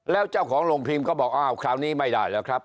แล้วเจ้าของโรงพิมพ์ก็บอกอ้าวคราวนี้ไม่ได้แล้วครับ